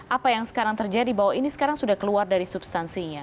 apa yang sekarang terjadi bahwa ini sekarang sudah keluar dari substansinya